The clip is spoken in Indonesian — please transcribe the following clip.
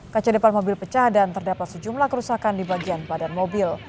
kaca depan mobil pecah dan terdapat sejumlah kerusakan di bagian badan mobil